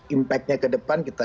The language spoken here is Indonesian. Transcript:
impact nya ke depan kita